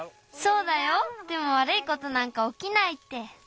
そうだよでもわるいことなんかおきないって。